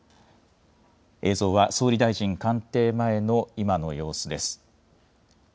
映像は総理大臣官邸前の今の様子です。